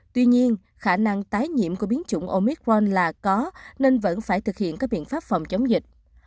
tuy nhiên khả năng tái nhiễm của biến chủng omicron là có nên vẫn phải thực hiện các biện pháp phòng chống dịch